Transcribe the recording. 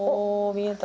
見えた。